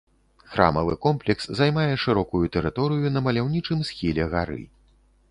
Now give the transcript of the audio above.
Храмавы комплекс займае шырокую тэрыторыю на маляўнічым схіле гары.